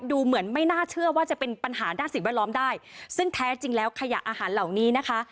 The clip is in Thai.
ดูเหมือนไม่น่าเชื่อว่าจะเป็นปัญหาด้านสิ่งแวดล้อมได้ซึ่งแท้จริงแล้วขยะอาหารเหล่านี้นะคะ